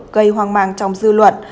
gây hoang mang trong dư luận